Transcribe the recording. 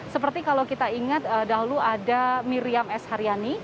seperti kalau kita ingat dahulu ada miriam s haryani